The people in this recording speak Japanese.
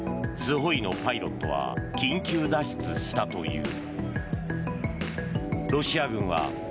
Ｓｕのパイロットは緊急脱出したという。